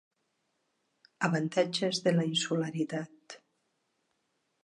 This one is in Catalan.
Avantatges de la insularitat.